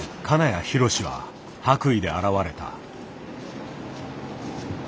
金谷博は白衣で現れた。